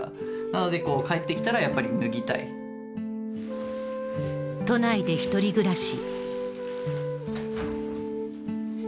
なので、帰ってきたらやっぱり脱都内で１人暮らし。